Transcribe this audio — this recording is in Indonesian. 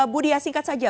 bu diyah singkat saja